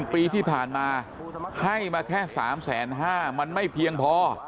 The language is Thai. ปีที่ผ่านมาให้มาแค่๓๕๐๐บาทมันไม่เพียงพอ